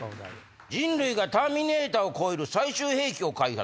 人類がターミネーターを超える最終兵器を開発